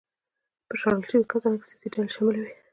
په شړل شویو کسانو کې سیاسي ډلې شاملې وې.